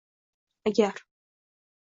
Agar